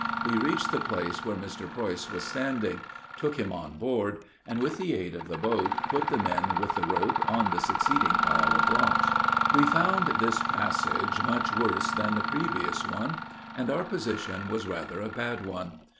We reached the place where Mr. Preuss was standing, took him on board, and, with the aid of the boat, put the men with the rope on the succeeding pile of rocks. We found this passage much worse than the previous one, and our position was rather a bad one.